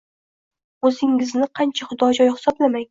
O‘zingizni qancha xudojo‘y hisoblamang